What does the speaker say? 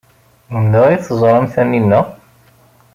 Anda ay teẓram Taninna?